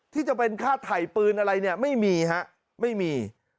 ที่จะเป็นค่าถ่ายปืนอะไรเนี่ยไม่มีฮะไม่มี